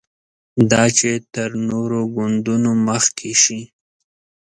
دا چې تر نورو ګوندونو مخکې شي.